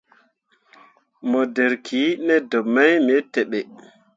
Mo dǝrriki ne deb mai me teɓe.